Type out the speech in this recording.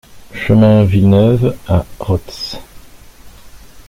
Chemin Villeneuve à Rots